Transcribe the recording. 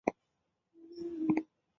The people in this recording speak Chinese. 她还是拒绝了